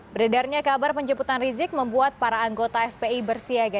beredarnya kabar penjemputan rizik membuat para anggota fpi bersiaga